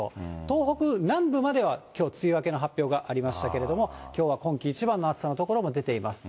東北南部まではきょう、梅雨明けの発表がありましたけれども、きょうは今季一番の暑さの所も出ています。